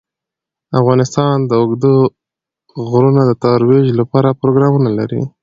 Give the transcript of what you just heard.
افغانستان د اوږده غرونه د ترویج لپاره پروګرامونه لري.